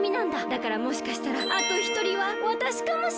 だからもしかしたらあとひとりはわたしかもしれない！